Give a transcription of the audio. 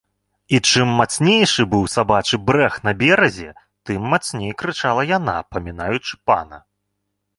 І чым мацнейшы быў сабачы брэх на беразе, тым мацней крычала яна, памінаючы пана.